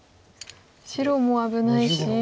白も危ないし。